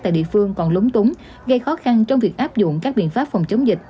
tại địa phương còn lúng túng gây khó khăn trong việc áp dụng các biện pháp phòng chống dịch